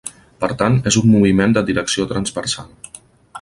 Per tant és un moviment de direcció transversal.